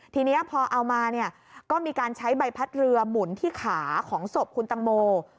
ทีนี้พอเอามาเนี่ยก็มีการใช้ใบพัดเรือหมุนที่ขาของศพคุณตังโม